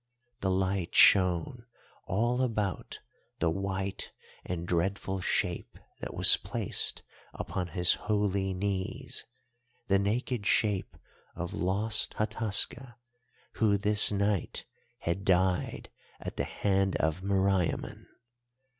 The light shone all about the white and dreadful shape that was placed upon his holy knees, the naked shape of lost Hataska who this night had died at the hand of Meriamun.